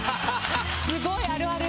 すごいあるある！